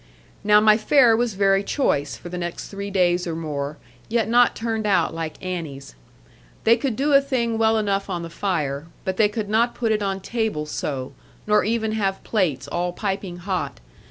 Now my fare was very choice for the next three days or more; yet not turned out like Annie's. They could do a thing well enough on the fire; but they could not put it on table so; nor even have plates all piping hot.